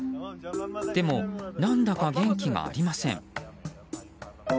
でも、何だか元気がありません。